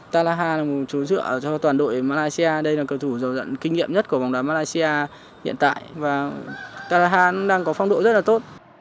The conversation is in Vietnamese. talaha là một chú dựa cho toàn đội malaysia đây là cầu thủ dầu dận kinh nghiệm nhất của vòng đoàn malaysia hiện tại và talaha đang có phong độ rất là tốt